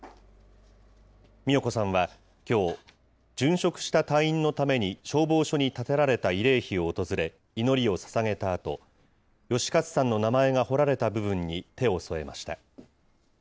美代子さんはきょう、殉職した隊員のために消防署に建てられた慰霊碑を訪れ、祈りをささげたあと、吉勝さんの名前が彫られた部分に手を添えました。